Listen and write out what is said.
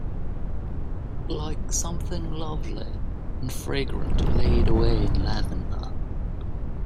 Like something lovely and fragrant laid away in lavender.